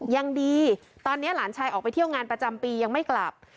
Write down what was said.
ยังดีตอนนี้หลานชายออกไปเที่ยวงานประจำปียังไม่กลับ